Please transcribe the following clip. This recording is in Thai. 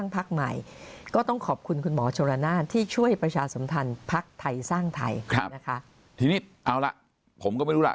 พักไทยสร้างไทยครับทีนี้เอาละผมก็ไม่รู้ล่ะ